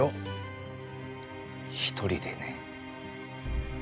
１人でね。